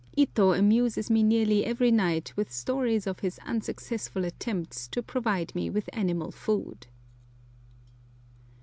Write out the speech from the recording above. Ito amuses me nearly every night with stories of his unsuccessful attempts to provide me with animal food.